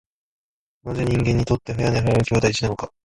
なぜ人間にとって早寝早起きは大事なのか。